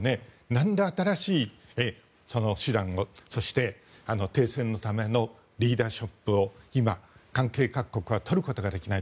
何ら新しい手段そして停戦のためのリーダーシップを今関係各国はとることができない。